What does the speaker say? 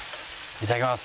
いただきます。